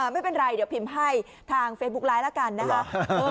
ไม่เป็นไรเดี๋ยวพิมพ์ให้ทางเฟซบุ๊กไลฟ์แล้วกันนะคะ